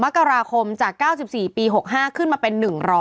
มกราคมจาก๙๔ปี๖๕ขึ้นมาเป็น๑๐๐